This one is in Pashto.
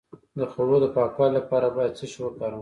د خوړو د پاکوالي لپاره باید څه شی وکاروم؟